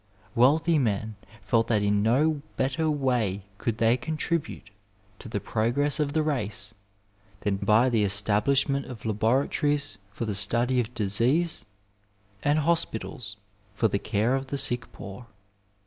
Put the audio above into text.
Wealthy men felt that in no better way could they contribute to the progress of the race than by the estab lishment of laboratories for the study of disease and hospi tals for the care of the sick poor.